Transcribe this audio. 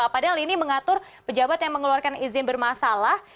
padahal ini mengatur pejabat yang mengeluarkan izin bermasalah